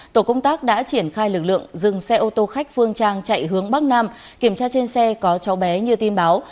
tổ công tác đã triển khai lực lượng dừng xe ô tô khách phương trang chạy hướng bắc nam kiểm tra trên xe có cháu bé như tin báo